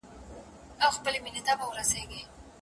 موږ د پېښو پايلې ګورو.